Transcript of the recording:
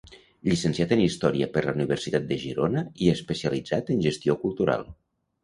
Llicenciat en Història per la Universitat de Girona i especialitzat en Gestió Cultural.